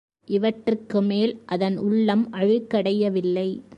இவற்றுக்கு மேல், அதன் உள்ளம் அழுக்கடையவில்லை.